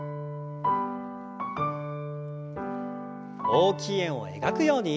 大きい円を描くように。